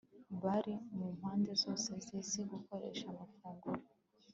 bari mu mpande zose zisi gukoresha amafunguro